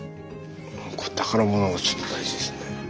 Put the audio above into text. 宝物はちょっと大事ですね。